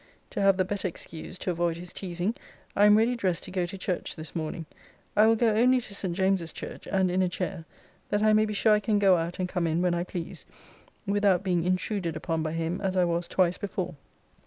To have the better excuse to avoid his teasing, I am ready dressed to go to church this morning. I will go only to St. James's church, and in a chair; that I may be sure I can go out and come in when I please, without being intruded upon by him, as I was twice before.